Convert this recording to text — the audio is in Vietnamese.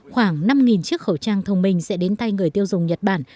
khoảng năm chiếc khẩu trang thông minh sẽ đến tay người tiêu dùng nhật bản